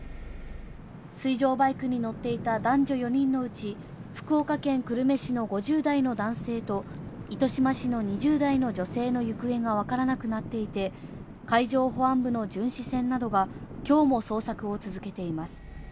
水上バイクに乗っていた男女４人のうち、福岡県久留米市の５０代の男性と糸島市の２０代の女性の行方がわからなくなっていて、海上保安部の巡視船などがきょうも捜索を続けています。